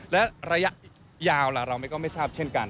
และระยะยาวล่ะเราก็ไม่ทราบเช่นกัน